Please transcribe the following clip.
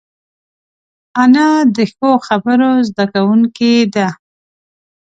انا د ښو خبرو زده کوونکې ده